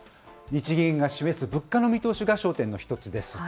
日銀が示す物価の見通しが焦点の１つです。